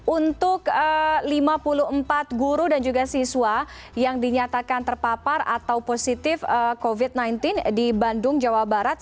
untuk lima puluh empat guru dan juga siswa yang dinyatakan terpapar atau positif covid sembilan belas di bandung jawa barat